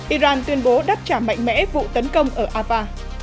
iran tuyên bố đắt trả mạnh mẽ vụ tấn công ở ava